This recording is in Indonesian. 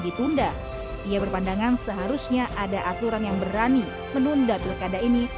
ditunda ia berpandangan seharusnya ada aturan yang berani menunda pilkada ini